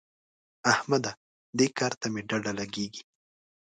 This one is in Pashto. احمده! دې کار ته مې ډډه لګېږي.